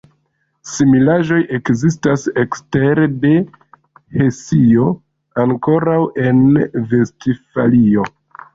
Similaĵoj ekzistas ekstere de Hesio ankoraŭ en Vestfalio.